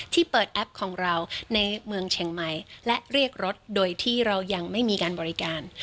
เปิดแอปของเราในเมืองเชียงใหม่และเรียกรถโดยที่เรายังไม่มีการบริการ